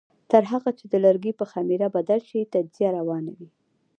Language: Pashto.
تر هغه چې د لرګي په خمېره بدل شي تجزیه روانه وي.